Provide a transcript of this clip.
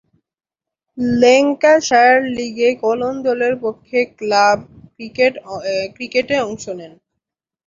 Lancashire লীগে Colne দলের পক্ষে ক্লাব ক্রিকেটে অংশ নেন।